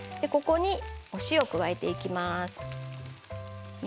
ここにお塩をを加えていきます。